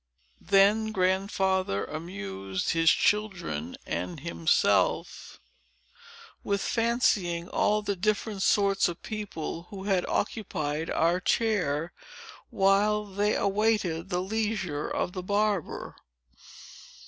Then Grandfather amused his children and himself, with fancying all the different sorts of people who had occupied our chair, while they awaited the leisure of the barber.